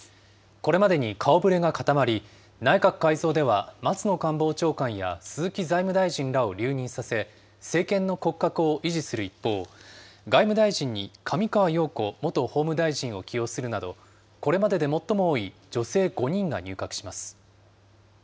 これまでに顔ぶれが固まり、内閣改造では松野官房長官や鈴木財務大臣らを留任させ、政権の骨格を維持する一方、外務大臣に上川陽子元法務大臣を起用するなど、これまでで最も多い女性５人が入閣します。